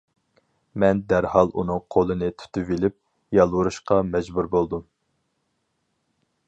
مەن دەرھال ئۇنىڭ قولىنى تۇتۇۋېلىپ، يالۋۇرۇشقا مەجبۇر بولدۇم.